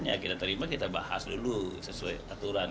ya kita terima kita bahas dulu sesuai aturan